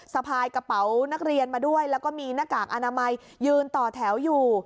สะพายกระเป๋านักเรียนมาด้วยแล้วก็มีหน้ากากอนามัยยืนต่อแถวอยู่